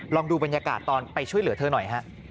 ลองดูบรรยากาศตอนไปช่วยเหลือเธอหน่อยฮะ